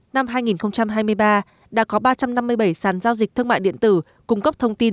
năm hai nghìn hai mươi ba đã có ba trăm năm mươi bảy sàn giao dịch thương mại điện tử cung cấp thông tin